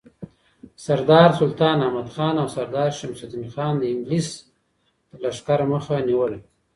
سردار سلطان احمدخان او سردار شمس الدین خان د انگلیس د لښکر مخه نیوله.